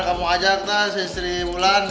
kamu ajak teh si sri mulan